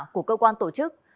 của cơ quan tổ chức